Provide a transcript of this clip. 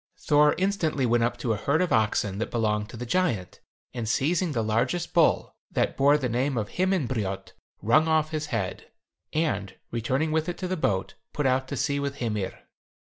Thor instantly went up to a herd of oxen that belonged to the giant, and seizing the largest bull, that bore the name of Himinbrjot, wrung off his head, and returning with it to the boat, put out to sea with Hymir.